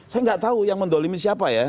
saya nggak tahu yang mendolimi siapa ya